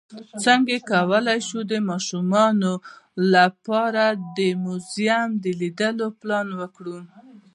څنګه کولی شم د ماشومانو لپاره د موزیم لیدنه پلان کړم